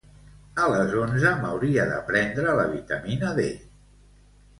A les onze m'hauria de prendre la vitamina D.